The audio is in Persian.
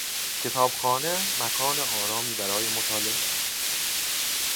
کتابخانه مکان آرامی برای مطالعه است.